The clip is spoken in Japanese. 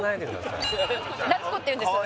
菜津子っていうんです